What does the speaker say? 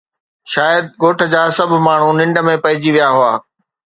شايد ڳوٺ جا سڀ ماڻهو ننڊ ۾ پئجي ويا هئا